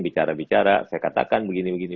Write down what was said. bicara bicara saya katakan begini begini